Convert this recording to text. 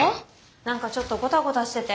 何かちょっとゴタゴタしてて。